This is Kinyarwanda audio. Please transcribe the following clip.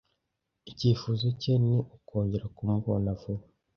Icyifuzo cye ni ukongera kumubona vuba.